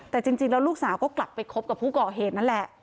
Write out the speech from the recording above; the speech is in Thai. แต่จริงแล้วลูกสาวก็กลับไปคบกับผู้ก่อเหตุนั่นแหละ